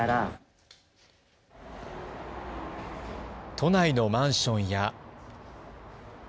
都内のマンションや。